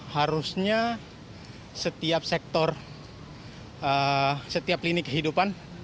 harusnya setiap sektor setiap lini kehidupan